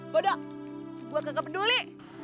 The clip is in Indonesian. bada gua gak peduli